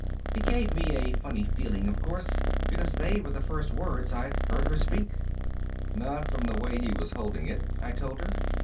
It gave me a funny feeling, of course, because they were the first words I'd heard her speak. "Not from the way he was holding it," I told her.